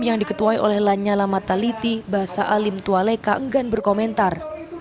yang diketuai oleh lanyala mataliti bahasa alim tualeka enggan berkomentar